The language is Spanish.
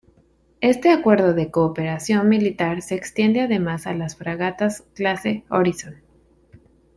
Este acuerdo de cooperación militar se extiende además a las fragatas Clase Horizon.